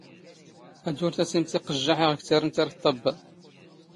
ⴰⴷ ⵓⵔ ⵜⴰⵙⵉⵎ ⵜⵉⵇⵇⵊⵊⴰⵃ ⵉⵖ ⴽⵜⴰⵔⵏⵜ ⴰⵔ ⵟⵟⴰⴱⴱⴰ.